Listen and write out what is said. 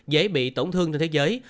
dễ bị tổn thương trên thế giới